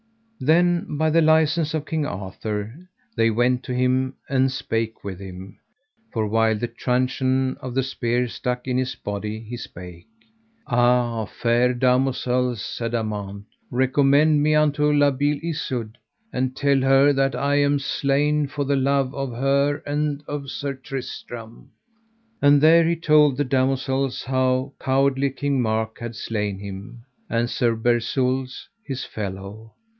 Then by the license of King Arthur they went to him and spake with him; for while the truncheon of the spear stuck in his body he spake: Ah, fair damosels, said Amant, recommend me unto La Beale Isoud, and tell her that I am slain for the love of her and of Sir Tristram. And there he told the damosels how cowardly King Mark had slain him, and Sir Bersules, his fellow.